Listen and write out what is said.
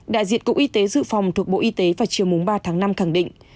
đại diện cục y tế dự phòng thuộc bộ y tế vào chiều ba tháng năm khẳng định